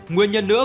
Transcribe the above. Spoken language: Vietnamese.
nguyên nhân nữa